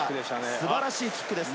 素晴らしいキックです。